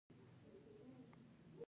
دا مې نه سو منلاى.